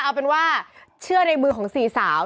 เอาเป็นว่าเชื่อในมือของสี่สาว